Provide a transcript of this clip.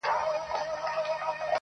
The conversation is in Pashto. گرېـوانـونه به لانــــده كـــــــــړم.